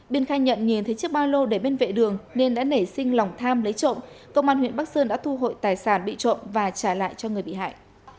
biên khai nhận nhìn thấy chiếc ba lô để bên vệ đường nên đã nảy sinh lòng tham lấy trộm công an huyện bắc sơn đã thu hồi tài sản bị trộm và trả lại cho người bị hại